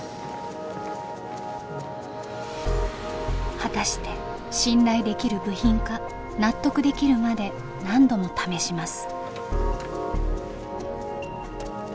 果たして信頼できる部品か納得できるまで何度も試します。